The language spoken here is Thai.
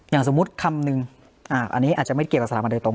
อย่างสมมุติคำนึงอันนี้อาจจะไม่เกี่ยวกับสถาบันโดยตรง